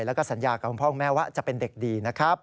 แล้วก็สัญญากับคุณพ่อคุณแม่ว่าจะเป็นเด็กดีนะครับ